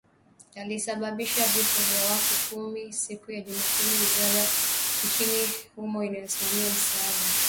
yalisababisha vifo vya watu kumi siku ya Jumapili wizara nchini humo inayosimamia misaada